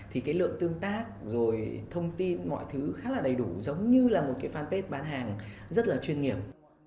thì cái lượng tương tác rồi thông tin mọi thứ khá là đầy đủ giống như là một cái fanpage bán hàng rất là chuyên nghiệp